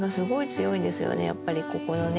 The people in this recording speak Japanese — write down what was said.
やっぱりここのね